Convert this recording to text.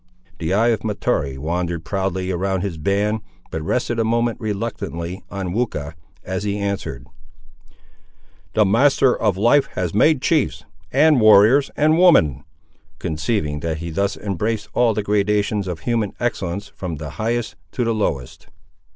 The eye of Mahtoree wandered proudly around his band, but rested a moment reluctantly on Weucha, as he answered— "The Master of Life has made chiefs, and warriors, and women;" conceiving that he thus embraced all the gradations of human excellence from the highest to the lowest.